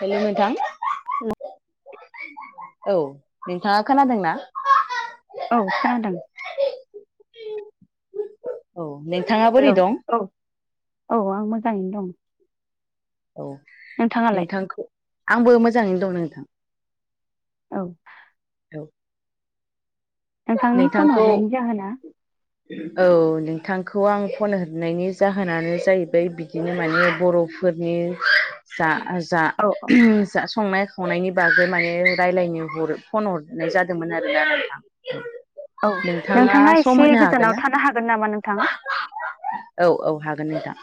हेल' नोंथां। हेल' औ नोंथाङा खोनादोंना? औ खोनादों। औ नोंथाङा बोरै हेल' दं औ औ आं मोजाङैनो दं। औ नोंथाङालाय नोंथांखौ आंबो मोजाङैनो दं नोंथां। औ। औ नोंथांनि फन नोंथांखौ हरनायनि जाहोना औ नोंथांखौ आं फन हरनायनि जाहोनानो जाहैबाय बिदिनो माने बर' फोरनि जा जा औ औ। जा संनाय खावनायनि बागै माने रायलायनो हर फनहरनाय जादोंमोन आरोना नोंथां। एरन औ नोंथाङा एसे गोजानाव ना थानो हागोन नामा नोंथां? औ औ हागोन नोंथां।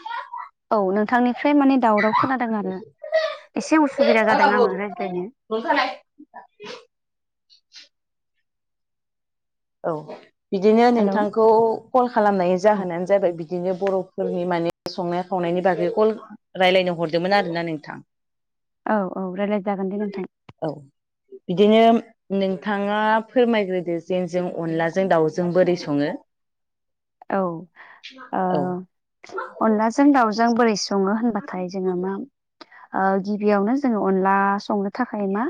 औ नोंथांनिफ्राय माने दावराव खोनादों आरो एसे उसुबिदा जादों आङो रायज्लायनो। दल'थालाय। औ औ बिदिनो हेलौ नोंथांखौ कल खालामनाय औ जाहोनानो जाबाय बिदिनो बर'फोरनि माने संनाय खावनायनि बागै कल रायलायनो हरदोंमोन आरोना नोंथां। औ औ रायलायजागोन दे नोंथां। औ बिदिनो नोंथाङा फोरमायग्रोदो जों अनलाजों दाउजों बोरै सङो? औ ओ औ अनलाजों दाउजों बोरै सङो होनबाथाय जोङो मा ओ गिबियावनो जोङो अनला संनो थाखाय मा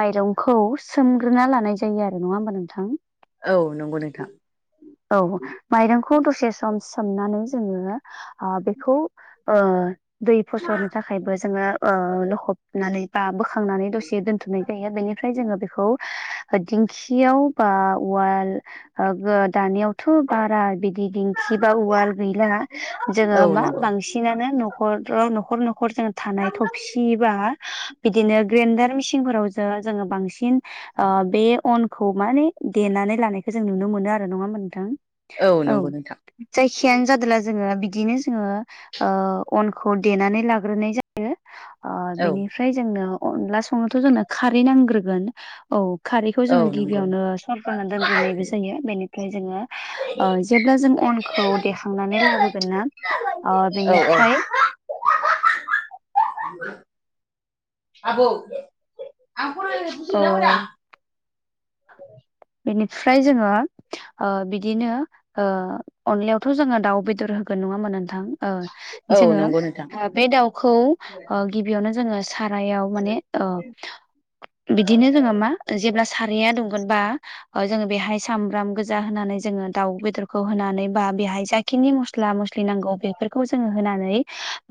माइरंखौ सोमग्रोना लानाय जायो आरो नङा होमबा नोंथां? औ नंगौ नोंथां। औ माइरंखौ दसे सम सोमनानै जोङो आ बेखौ ओ दै फसरनो थाखायबो जोङो ओ लखबनानै बा बोखांनानै दसे दोनथ'नाय जायो बेनिफ्राय जोङो बेखौ दिंखियाव बा उवाल ओ दानियावथ' बारा बिदि दिंखि बा उवाल गैला जोङो औ मा नंगौ बांसिन बांसिनानो न'खराव न'खर न'खर जों थानाय थबसि बा बिदिनो ग्रेनडार मिसिंफोराव जोङो जोङो बांसिन ओ बे अनखौ माने देनानै लानायखौ जों नुनो मोनो आरो। नङा होमबा नोंथा? औ नंगौ नोंथां। जायखियानो जादोला जोङो बिदिनो जोङो ओ अनखौ देनानै लाग्रोनाय जायो ओ औ बेनि फ्रायजोंनो अनला संनोथ' जोंनो खारै नांग्रोगोन। औ खारैखौ औ जोङो नंगौ गिबियावनो सरग्रोना दोनग्रोनायबो जायो बेनिफ्राय जोङो ओ जेब्ला जों अनखौ देखांनानै लाबोगोनना ओ औ औ बेनिफ्राय आबौ आं फन रायलाय औ। बेनिफ्राय जोङो ओ बिदिनो ओ अनलायावथ' जोङो दाउ बेदर होगोन नङा होमबा नोंथां? ओ औ जोङो नंगौ नोंथां बे दाउखौ ओ गिबियावनो जोङो सारायाव माने औ बिदिनो जोङो मा जेब्ला साराया दुंगोनबा ओ जोङो बेहाय सामब्राम गोजा होनानै जोङो दाउ बेदरखौ होनानै बा बेहाय जाय थिंनि मसला मस्लि नांगौ बेफोरखौ जोङो होनानै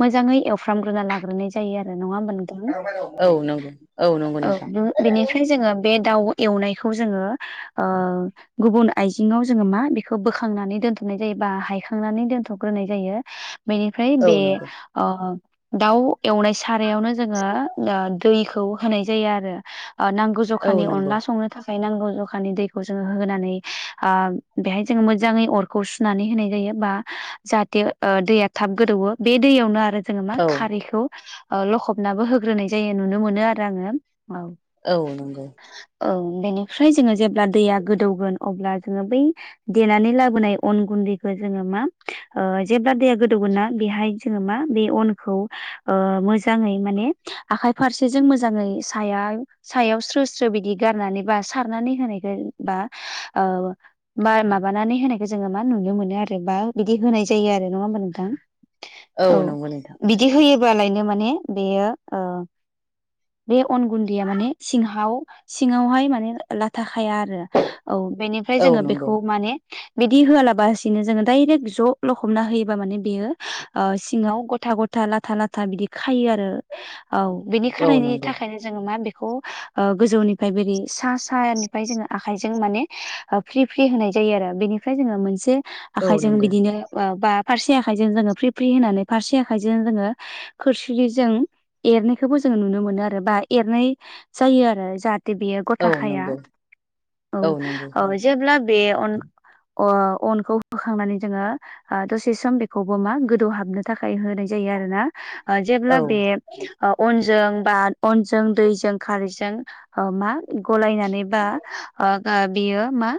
मोजाङै एवफ्रामग्रोना लाग्रोनाय जा जायो आरो नङा होमबा नोंथां औ नंगौ नंगौ औ नोंथां उम। बेनिफ्राय जोङो बे दाउ एवनायखौ जोङो ओ गुबुन आइजेंआव जोङो मा बिखौ बोखांनानै दोनथ'नाय जायो बा हायखांनानै दोनथ'ग्रोनाय जायो। बेनिफ्राय औ बे नंगौ ओ दाउ एवनाय सारायावनो जोङो ओ दैखौ होनाय जायो आरो ओ नां गौ औ ज'खानि नंगौ अनला संनो थाखाय नांगौ ज'ख खानि दैखौ जोङो होनानै आ बेहाय जोङो मोजाङै अरखौ सुनानै होनाय जायो बा जाहाथे ओ दैया थाब गोदौओ बे दैयावनो आरो जोङो मा औ खारैखौ ओ लखबनाबो होग्रोनाय जायो नुनो मोनो आरो आङो औ। औ नंगौ। औ बेनिफ्राय जोङो जेब्ला दैया गोदौगोन अब्ला जोङो बै देनानै लाबोनाय अन गुन्दैखौ जोङो मा ओ जेब्ला दैया गोदौगोना बेहाय जोङो मा बे अनखौ ओ मोजाङै माने आखाइ फारसेजों मोजाङै साया सायाव स्रो स्रो बिदि गारनानैबा सारनानै होनाय जायो बा ओ बा माबानानै होनायखौ जोङो मा नुनो मोनो आरो बा बिदि होनाय जायो आरो नङा होमबा नोंथां? औ नंगौ नोंथां बिदि होयोबालायनो माने बेयो ओ बे अन गुन्दैया माने सिंहाव सिङावहाय माने लाथा खाया आरो औ बेनिफ्राय औ जोङो नंगौ बेखौ माने बिदि होआलाबासिनो जोङो डायरेक ज' लखबना होयोबा माने बेयो ओ सिङाव ग'था ग'थ था लाथा लाथा बिदि खायो आरो औ बिदि औ खानायनि नंगौ थाखायनो जोङो मा बेखौ ओ गोजौनिफाय बिदि सा सायानिफाय जोङो आखाइजों माने ओ फ्रि फ्रि होनाय जायो आरो बेनिफ्राय जोङो मोनसे औ आखाइजों नंगौ बिदिनो [inaudible] बा फारसे आखाइजों जोङो फ्रि फ्रि होनानै फारसे आखाइजों जोङो खोरस्लिजों एरनायखौबो जों नुनो मोनो आरो बा एरनाय जायो आरो जाहाथे बेयो औ ग'था खाया नंगौ औ औ जेब्ला बे अन अ अनखौ होखांनानै जोङो ओ दसे सम बेखौबो मा गोदौहाबनो थाखाय होनाय जायो आरो ना ओ औ जेब्ला बे अ अनजों बा अनजों दैजों खारैजों अ मा गलायनानै बा ओ गा बेयो मा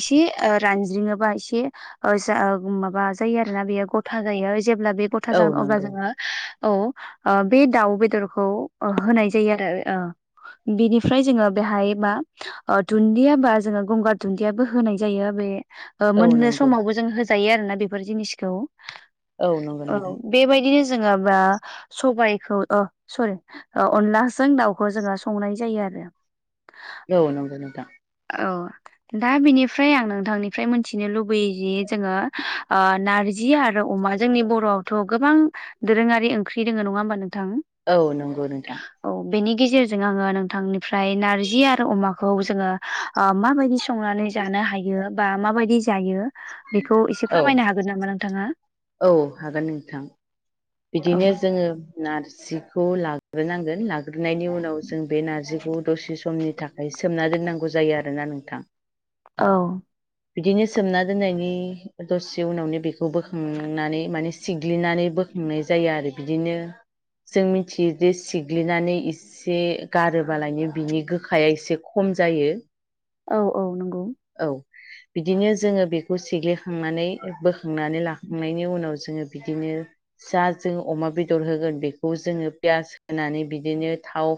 एसे ओ रानज्रिङोबा एसे ओ इसा ओब माबा जायो आरो ना बेयो ग'था जायो जेब्ला बे ग'थ था औ जागोन अब्ला नंगौ जोङो औ ओ बे दाउ बेदरखौ ओ होनाय जायो आरो ओ। बिनिफ्राय जोङो बेहाय मा ओ दुन्दिया बा जोङो गंगार दुन्दियाबो होनाय जायो बे ओ औ मोननो नंगौ समावबो जों होजायो आरो ना बेफोर जिनिसखौ औ। बेबायदिनो जोङो बा सबाइखौ ओ सरि औ अनलाजों दाउखौ जोङो संनाय जायो आरो। औ नंगौ नोंथां। औ। दा बिनिफ्राय आं नोंथांनिफ्राय मिथिनो लुबैयो जि जोङो आ नारजि जि आरो अमा जोंनि बर'आवथ' गोबां दोरोङारि ओंख्रि दोङो नङा होमबा नोंथां। औ नंगौ नोंथां। औ बेनि गेजेरजों आङो नोंथांनिफ्राय नारजि आरो अमाखौ जोङो आ माबायदि स संनानै जानो हायो बा माबायदि जायो। बेखौ एसे औ फोरमायनो हागोन नामा नोंथाङा? औ हागोन। नोंथां औ बिदिनो जोङो नारजिखौ लाग्रोनांगोन लाग् ग्रोनायनि उनाव जों बे नारजिखौ दसे समनि थाखाय सोमना दोननांगौ जायो आरोना नोंथां। औ [inaudible] बिदिनो सोमना दोननायनि दसे उनावनो बेखौ बोखांनानै माने सिग्लिनानै बोख संनाय जायो। आरो बिदिनो जों मिथियो जे सिग्लिनानै एसे गारोबालायनो बिनि गोखाया एसे खम जायो। औ औ नंगौ। औ। बिदिनो जोङो बेखौ सेग्लिखांनानै बोखांनानै लाखांनायनि उनाव जोङो बिदिनो जा जों अमा बेदर होगोन बेखौ जोङो पियाज होनानै बिदिनो थाव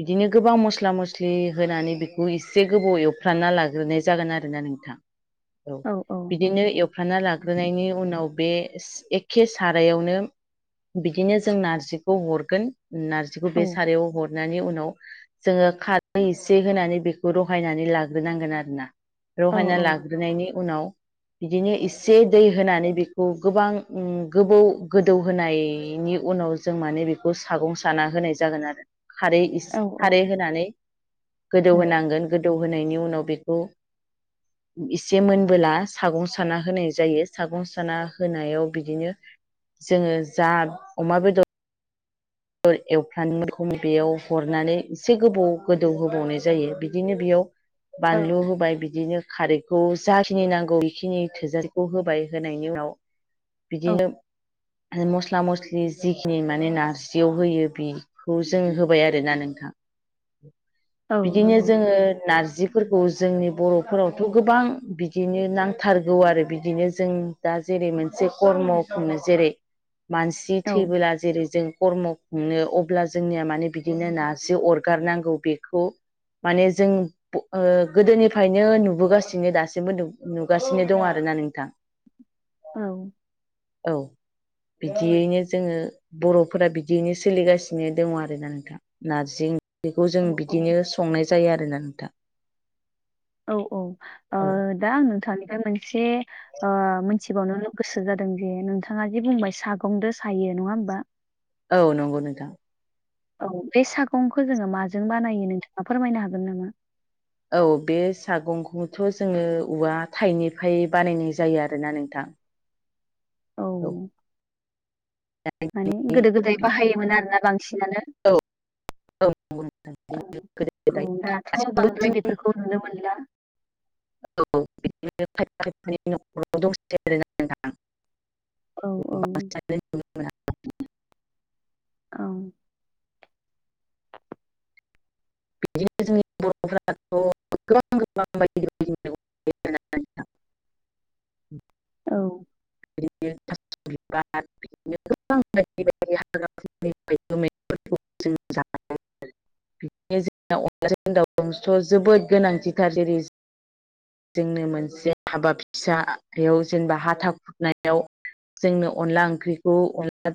बिदिनो गोबां मस्ला मस्लि होनानै बेखौ एसे गोबाव एवफ्र्रानना लाग्रोनाय जागोन आरोना नोंथाङा औ बिदिनो एवफ्रानना लाग्रोनायनि उनाव बे एकखे सारायावनो बिदिनो जों नारजिखौ हरगोन नारजिखौ औ बे सारायाव हर हनानै उनाव जोङो खारै एसे होनानै बेखौ रहायनानै लाग्रोनांगोन आरोना औ रहायना लाग्रोनायनि उनाव बिदिनो इसे दै होनानै बेखौ गोबां उम गोबौ गोदौ होनायनि उनाव जों माने बेखौ सागौ साना होनाय जागोन आरो औ खारै होनानै गोदौ होनांगोन गोदौहोनायनि उनाव बेखौ एसे मोनबोला सागं साना होनाय जायो सागं साना होनायाव बिदिनो जोङो जा अमा बेदर एवफ्रान [unintelligible] खौ बेयाव हरनानै एसे गोबौ गोदौ होबावनाय जायो बिदिनो बेयाव औ बानलु होबाय बिदिनो खारैखौ जाखिनि नांगौ बेखिनि थोजासेखौ होबाय होनायनि उनाव औ बिदिनो मस्ला मस्लि जिखिनि माने नारजि जियाव होयो बिखौ जों होबाय आरोना नोंथां औ बिदिनो नंगौ जोङो नारजि फोरखौ जोंनि बर'फोरावथ' गोबां बिदिनो नांथारगौ आरो बिदिनो जों- दा जेरै मोनसे कर्म खनो जेरै मानसि औ थैबोला जेरै जों खर्म खुंनो अब्ला जोंनिया माने बिदिनो नारजि अरगारनांगौ बेखौ माने जों ओ गोदोनिफ्रायनो नुबोगासिनो दासिमबो नुगासिनो दं आरोना नोंथां। औ औ बिदियैनो जोङो बर' फोर बिदियैनो सोलिगासिनो दङ आरोना नोंथां नारजि ओंख्रिखौ जों औ बिदिनो संनाय जायो आरोना नोंथा औ-औ ओ औ दा आं नोंथांनिफ्राय मोनसे ओ मिथिबावनो गोसो जादों जे नोंथाङा जे बुंबाय सागंदो सायो नङा होमबा औ नंगौ नोंथां औ बे सागंखौ जोङो माजों बानायो नोंथाङा फोरमायनो हागोन नामा औ बे सागंखौथ' जोङो औवा थाइनिफ्राय बानायनाय जायो आरोना नोंथां औ माने गोदो गोदाय बाहायोमोन आरोना बांसिनानो औ-औ औ दाथ' दासिमबो बांद्राय जों बेफोरखौ नुनो मोनला औ [unintelligible] औ-औ द [unintelligible] औ [unintelligible] मैगं [inaudible] औ [unintelligible] [unintelligible] [unintelligible] अनलाजों दावजोंथ' जोबोद गोनांथिथार जेरै जोंनो मोनसे हाबा फिसायाव जेनेबा हाथा खुर नायाव जोंनो अनला ओंख्रिखौ अनला